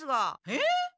えっ？